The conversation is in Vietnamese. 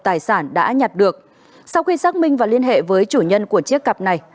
tài sản đã nhặt được sau khi xác minh và liên hệ với chủ nhân của chiếc cặp này